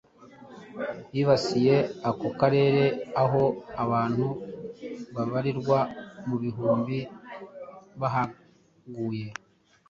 yibasiye ako karere, aho abantu babarirwa mu bihumbi bahaguye